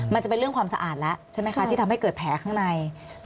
มันจะเป็นเรื่องความสะอาดแล้วใช่ไหมคะที่ทำให้เกิดแผลข้างใน